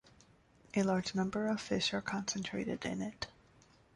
A large number of fish are concentrated in it.